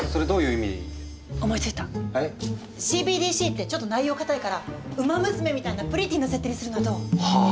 ＣＢＤＣってちょっと内容固いから「ウマ娘」みたいなプリティーな設定にするのはどう？はあ？